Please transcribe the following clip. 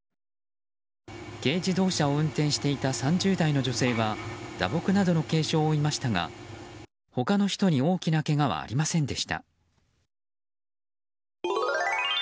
軽自動車を運転していた３０代の女性は打撲などの軽傷を負いましたが他の人に大きなけがはありませんでした。